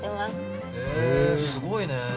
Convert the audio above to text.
すごいね。